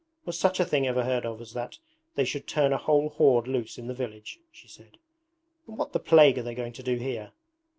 Was such a thing ever heard of as that they should turn a whole horde loose in the village?' she said. 'And what the plague are they going to do here?'